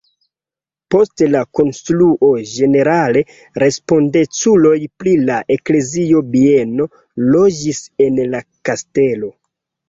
Post la konstruo ĝenerale respondeculoj pri la eklezia bieno loĝis en la kastelo.